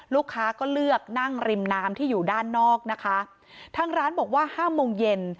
ลูกค้าก็เลือกนั่งริมน้ำที่อยู่ด้านนอกนะคะทางร้านบอกว่าห้าโมงเย็น